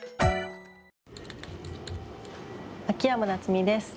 秋山菜津美です。